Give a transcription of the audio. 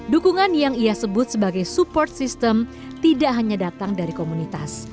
dukungan yang ia sebut sebagai support system tidak hanya datang dari komunitas